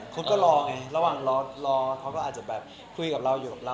ก็รอไงระหว่างรอเขาก็อาจจะแบบคุยกับเราอยู่กับเรา